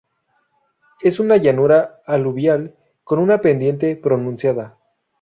Es una llanura aluvial con una pendiente pronunciada.